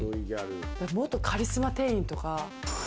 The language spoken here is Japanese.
元カリスマ店員とか？